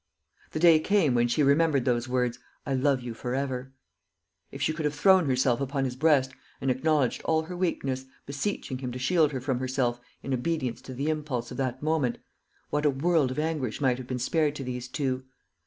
The day came when she remembered those words, "I love you for ever." If she could have thrown herself upon his breast and acknowledged all her weakness, beseeching him to shield her from herself in obedience to the impulse of that moment, what a world of anguish might have been spared to these two!